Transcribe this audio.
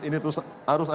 ini terus harus ada